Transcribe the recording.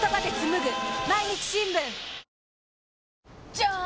じゃーん！